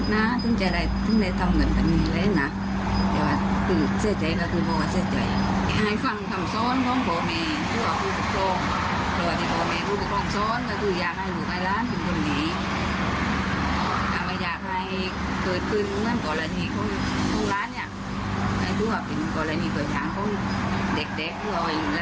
นี่อยากให้รู้ไว้เป็นกรณีตัวอย่างว่าเด็กรออยู่แล้ว